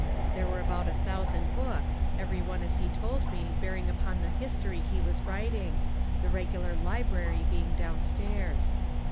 There were about a thousand books, every one as he told me bearing upon the history he was writing, the regu lar library being downstairs.